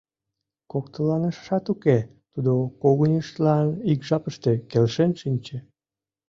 Коктеланышашат уке: тудо когыньыштлан ик жапыште келшен шинче.